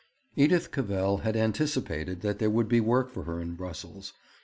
Edith Cavell had anticipated that there would be work for her in Brussels.